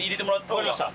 わかりました。